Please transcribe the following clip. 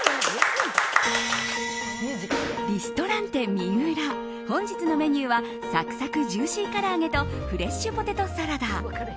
リストランテＭＩＵＲＡ本日のメニューはサクサクジューシーから揚げとフレッシュポテトサラダ。